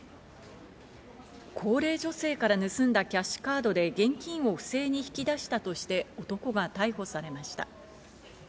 高齢女性から盗んだキャッシュカードで現金を不正に引き出したとして、男が逮捕されました。